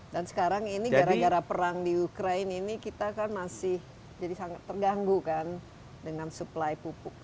dan sekarang ini gara gara perang di ukraine ini kita kan masih jadi sangat terganggu kan dengan supply pupuk